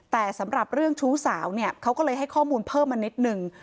แต่สำหรับเรื่องชู้สาวเนี่ยเขาก็เลยให้ข้อมูลเพิ่มมานิดนึง